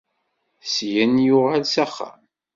Syin, yuɣal s axxam.